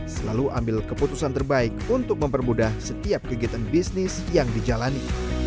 selalu ambil keputusan terbaik untuk mempermudah setiap kegiatan bisnis yang dijalani